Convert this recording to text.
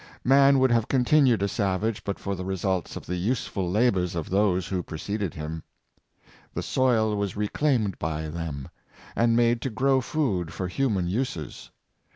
Man would have continued a savage, but for the results of the useful labors of those who preceded him. The soil was reclaimed by them, and made to grow food for human uses.